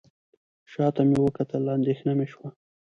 شاته مې وکتل اندېښنه مې شوه.